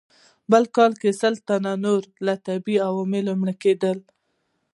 بل کال یې سل تنه نور له طبیعي عواملو مړه کېدل.